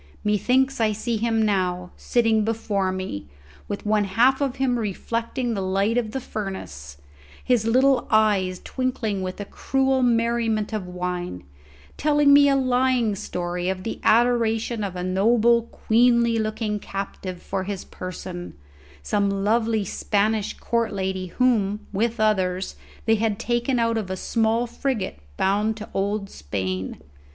Methinks I see him now, sitting before me, with one half of him reflecting the light of the furnace, his little eyes twinkling with a cruel merriment of wine, telling me a lying story of the adoration of a noble, queenly looking captive for his person some lovely Spanish court lady whom, with others, they had taken out of a small frigate bound to old Spain.